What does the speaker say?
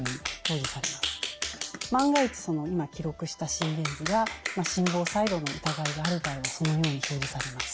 万が一今記録した心電図が心房細動の疑いがある場合はそのように表示されます。